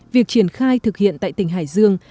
việc triển khai thực hiện tại tỉnh hải dương